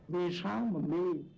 vì sao mà đi